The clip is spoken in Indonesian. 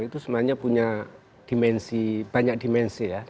itu sebenarnya punya dimensi banyak dimensi ya